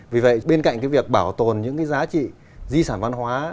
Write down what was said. vì vậy bên cạnh cái việc bảo tồn những cái giá trị di sản văn hóa